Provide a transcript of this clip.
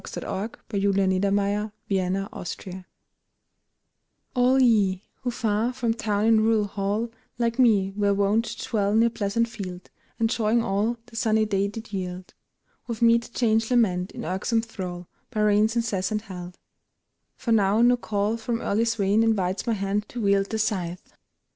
U V . W X . Y Z Sonnet on a Wet Summer ALL ye who far from town in rural hall, Like me, were wont to dwell near pleasant field, Enjoying all the sunny day did yield, With me the change lament, in irksome thrall, By rains incessant held; for now no call From early swain invites my hand to wield The scythe.